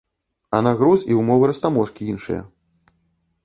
А на груз і ўмовы растаможкі іншыя!